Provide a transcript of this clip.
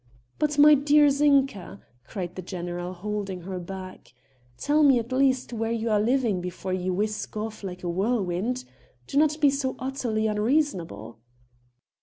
"But, my dear Zinka," cried the general holding her back, "tell me at least where you are living before you whisk off like a whirlwind. Do not be so utterly unreasonable."